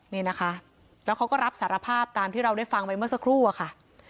นี่นะคะแล้วเขาก็รับสารภาพตามที่เราได้ฟังไปเมื่อสักครู่อะค่ะ